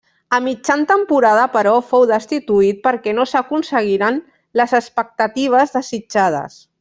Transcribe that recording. A mitjan temporada, però, fou destituït perquè no s'aconseguiren les expectatives desitjades.